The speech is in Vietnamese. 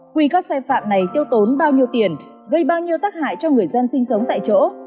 quy các sai phạm này tiêu tốn bao nhiêu tiền gây bao nhiêu tác hại cho người dân sinh sống tại chỗ